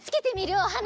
おはな。